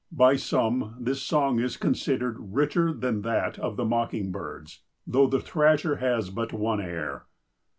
By some this song is considered richer than that of the mockingbirds, though the Thrasher has but one air.